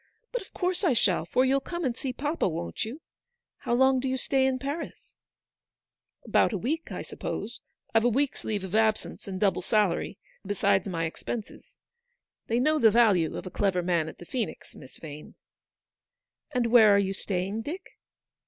But of course I shall, for you'll come and see papa, won't you ? How long do you stay in Paris ?"" About a week, I suppose. I've a week's leave of absence, and double salary, besides my ex penses. They know the value of a clever man at the Phoenix, Miss Vane." " And where are you staying, Dick